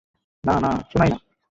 না না, শোনাই না।